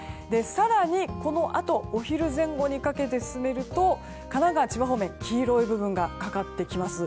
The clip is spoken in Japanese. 更に、このあとお昼前後にかけて進めると神奈川、千葉方面黄色い部分がかかってきます。